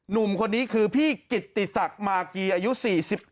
หนุ่มคนนี้คือพี่กิตติศักดิ์มากีอายุ๔๑